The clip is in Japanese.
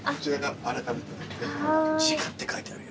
時価って書いてあるよ。